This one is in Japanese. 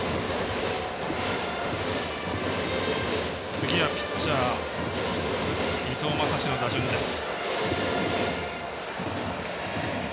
次はピッチャー、伊藤将司の打順です。